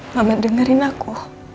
mama dengerin aku